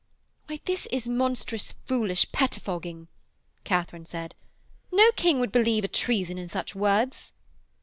'Why, this is monstrous foolish pettifogging,' Katharine said. 'No king would believe a treason in such words.'